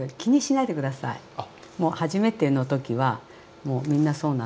もう初めての時はもうみんなそうなので。